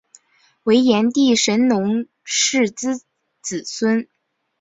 为炎帝神农氏之子孙。